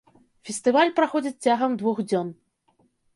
Фестываль праходзіць цягам двух дзён.